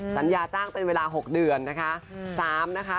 สัญญาจ้างเป็นเวลา๖เดือนนะคะ